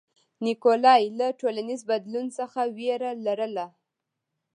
نیکولای له ټولنیز بدلون څخه وېره لرله.